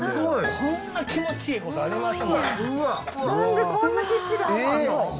こんな気持ちいいことあります？